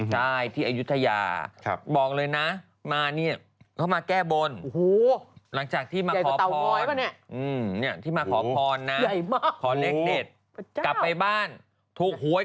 ไหล่งูดต้นชอบบ้านหรอกซื้อที่ไหนที่ไหนพี่มั๊ก